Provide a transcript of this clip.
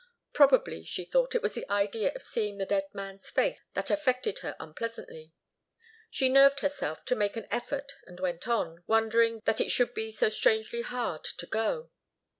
Probably, she thought, it was the idea of seeing the dead man's face that affected her unpleasantly. She nerved herself to make an effort and went on, wondering that it should be so strangely hard to go.